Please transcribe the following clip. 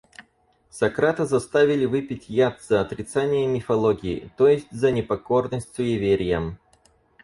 Сократа заставили выпить яд за отрицание мифологии, то есть за непокорность суевериям.